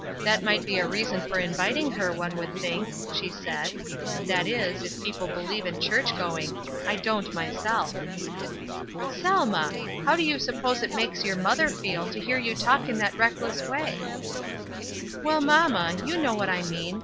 "That might be a reason for inviting her, one would think," she said. "That is, if people believe in church going; I don't, myself." " Selma ! How do you suppose it makes your mother feel to hear you talk in that reckless way?" "Well, mamma, you know what I mean.